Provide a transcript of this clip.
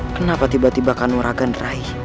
kenapa tiba tiba kanuragan rai